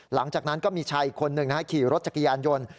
หลังจากนั้นก็มีชายอีกคนหนึ่งขี่รถจักรยานยนต์